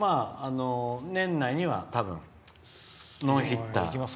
年内には多分、ノーヒッター。